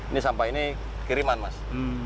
ini sampah ini kiriman mas